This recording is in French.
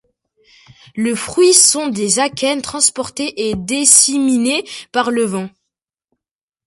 Le fruits sont des akènes, transportés et disséminés par le vent.